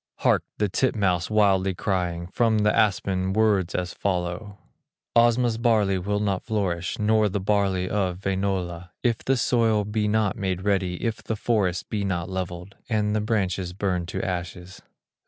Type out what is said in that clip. Hark! the titmouse wildly crying, From the aspen, words as follow: "Osma's barley will not flourish, Not the barley of Wainola, If the soil be not made ready, If the forest be not levelled, And the branches burned to ashes."